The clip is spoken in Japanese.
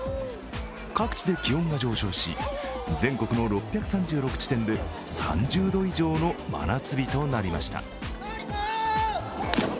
各地で気温が上昇し、全国の６３６地点で３０度以上の真夏日となりました。